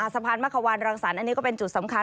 สะพานมะขวานรังสรรค์อันนี้ก็เป็นจุดสำคัญ